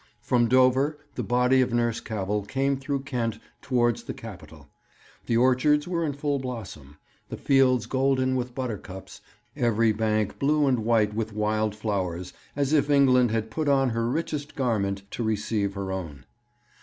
From Dover the body of Nurse Cavell came through Kent towards the capital; the orchards were in full blossom, the fields golden with buttercups, every bank blue and white with wild flowers, as if England had put on her richest garment to receive her own.